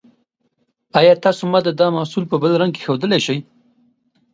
ایا تاسو ما ته محصول په بل رنګ کې ښودلی شئ؟